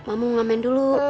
mama mau ngamen dulu